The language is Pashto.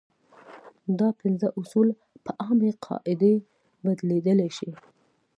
دا پنځه اصول په عامې قاعدې بدلېدلی شي.